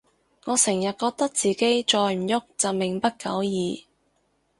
我成日覺得自己再唔郁就命不久矣